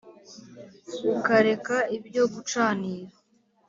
ukareka ibyo gucanira